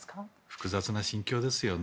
複雑な心境ですよね。